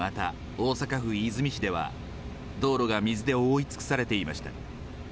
大阪府和泉市では、道路が水で覆い尽くされていました。